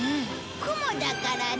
雲だからね。